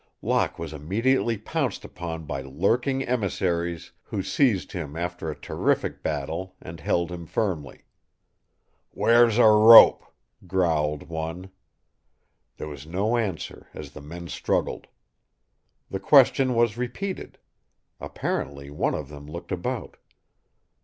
Locke was immediately pounced upon by lurking emissaries who seized him after a terrific battle and held him firmly. "Where's a rope?" growled one. There was no answer as the men struggled. The question was repeated. Apparently one of them looked about.